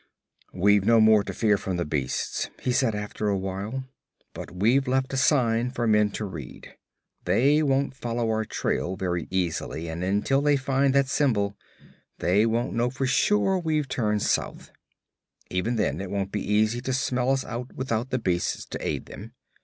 'We've no more to fear from the beasts,' he said after a while, 'but we've left a sign for men to read. They won't follow our trail very easily, and until they find that symbol they won't know for sure we've turned south. Even then it won't be easy to smell us out without the beasts to aid them.